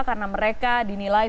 karena mereka dinilai sudah bisa